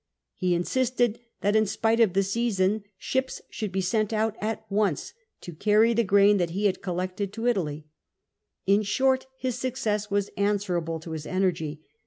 lie insisted that, in spite of the season, ships sliuuld be sent out at once to carry the grain that he had colle(*,ted to Italy* In short, his success was answerable to lim energy.